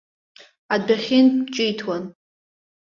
Адәахьынтә ҿиҭуан.